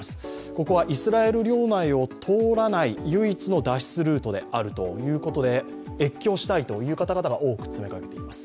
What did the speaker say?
ここはイスラエル領内を通らない唯一の脱出ルートであるということで越境したいという方々が多く詰めかけています